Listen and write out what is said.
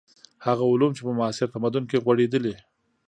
هغه علوم چې په معاصر تمدن کې غوړېدلي.